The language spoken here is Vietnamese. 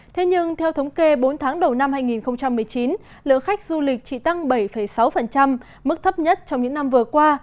thế nhưng theo thống kê bốn tháng đầu năm hai nghìn một mươi chín lượng khách du lịch chỉ tăng bảy sáu mức thấp nhất trong những năm vừa qua